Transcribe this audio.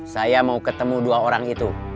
saya mau ketemu dua orang itu